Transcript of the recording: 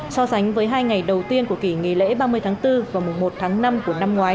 so sánh với hai ngày đầu tiên của kỷ nghỉ lễ ba mươi tháng bốn và mùa một tháng năm của năm ngoái